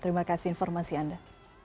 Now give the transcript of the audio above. terima kasih informasi anda